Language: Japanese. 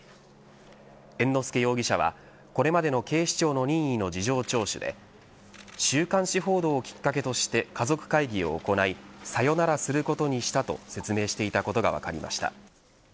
猿之助容疑者はこれまでの警視庁の任意の事情聴取で週刊誌報道をきっかけとして家族会議を行いさよならすることにしたと説明していたことが分かりました。